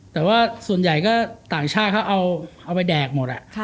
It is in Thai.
แต่ว่าส่วนใหญ่ก็ต่างชาติเขาเอาไปแดกหมด